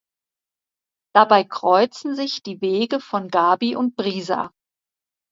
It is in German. Dabei kreuzen sich die Wege von Gaby und Brisa.